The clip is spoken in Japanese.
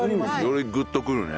よりグッとくるね。